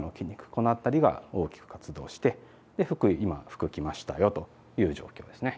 この辺りが大きく活動して今服着ましたよという状況ですね。